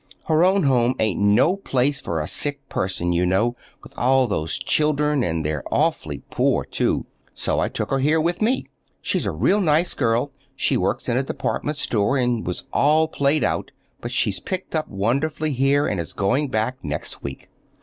Her own home ain't no place for a sick person, you know, with all those children, and they're awfully poor, too. So I took her here with me. She's a real nice girl. She works in a department store and was all played out, but she's picked up wonderfully here and is going back next week.